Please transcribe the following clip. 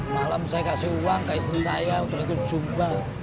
malam saya kasih uang ke istri saya untuk ikut jumbel